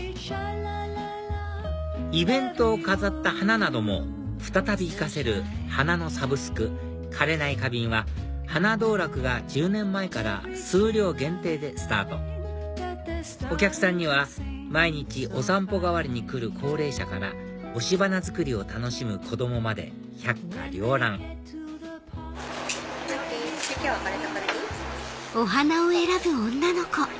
イベントを飾った花なども再び生かせる花のサブスク枯れない花瓶はｈａｎａｄｏｕｒａｋｕが１０年前から数量限定でスタートお客さんには毎日お散歩代わりに来る高齢者から押し花作りを楽しむ子供まで百花繚乱今日はこれとこれでいい？